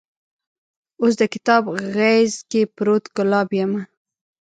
اوس دکتاب غیز کې پروت ګلاب یمه